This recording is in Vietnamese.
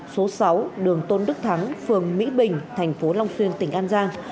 số sáu đường tôn đức thắng phường mỹ bình thành phố long xuyên tỉnh an giang